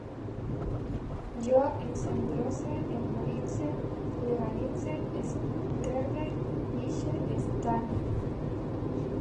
Jo encendrose, herboritze, legalitze, esquerde, guixe, estanye